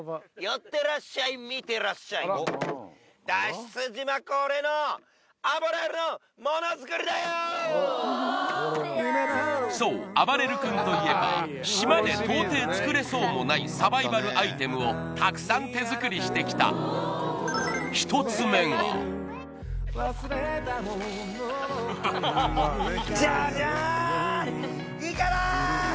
ヤバいそしてそうあばれる君といえば島で到底作れそうもないサバイバルアイテムをたくさん手作りしてきたジャジャーン！